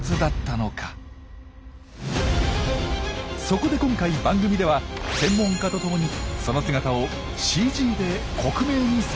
そこで今回番組では専門家と共にその姿をＣＧで克明に再現することにしました。